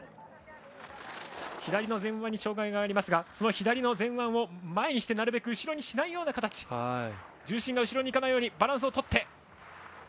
左の前腕に障がいがありますがその左前腕を前にしてなるべく後ろにしない形重心が後ろに行かないようにバランスをとって。